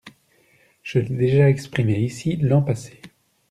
Je l'ai déjà exprimée ici l'an passé.